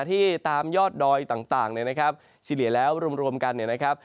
ที่ตามยอดดอยต่างนะครับสิริแล้วรวมกันนะครับ